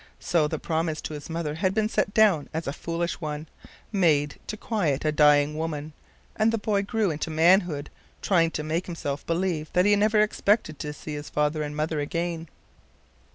So the promise to his mother had been set down as a foolish one, made to quiet a dying woman, and the boy grew into manhood trying to make himself believe that he never expected to see his father and mother again.